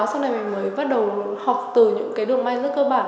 sau này mình mới bắt đầu học từ những cái đường may rất cơ bản